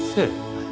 はい。